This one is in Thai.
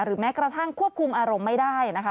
แม้กระทั่งควบคุมอารมณ์ไม่ได้นะคะ